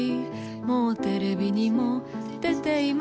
もうＴＶにも出ています